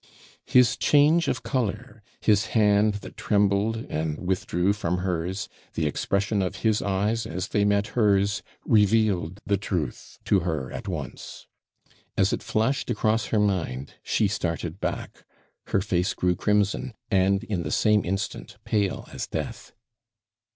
His change of colour his hand that trembled, and withdrew from hers the expression of his eyes as they met hers revealed the truth to her at once. As it flashed across her mind, she started back; her face grew crimson, and, in the same instant, pale as death.